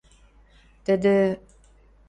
Тӹдӹ: